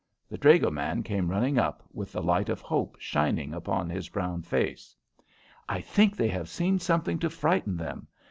The dragoman came running up with the light of hope shining upon his brown face. "I think they have seen something to frighten them.